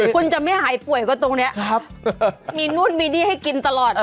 คุณจะไม่หายป่วยก็ตรงนี้มีนู่นมีนี่ให้กินตลอด